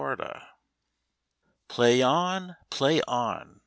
]PLAY on! Play on!